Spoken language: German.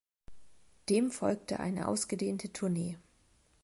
Dem folgte eine ausgedehnte Tournee.